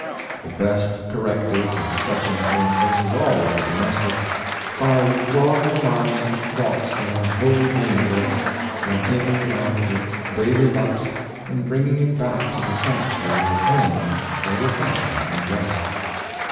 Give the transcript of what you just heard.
The best corrective of such influences is always the domestic — by withdrawing the mind from thoughts that are wholly gainful, by taking it out of its daily rut, and bringing it back to the sanct uary of home for refreshment and rest.